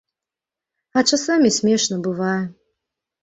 А часамі смешна бывае.